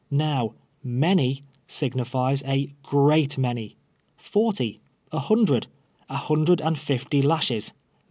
Kow, 'many' signifies a great many — forty, a hnndred, a hundred and iifty lashes.